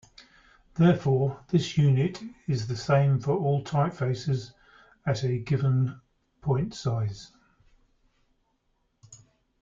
Therefore, this unit is the same for all typefaces at a given point size.